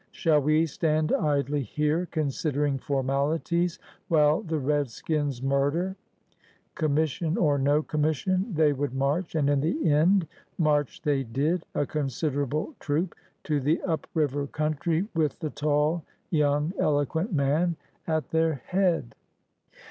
"Shall we stand idly here considering formalities, while the redskins murder?" Conmiission or no commis sion, they would march; and in the end, march they did — a considerable troop — to the up river NATHANIEL BACON 166 country, with the tall, youn^, eloquent man at their head.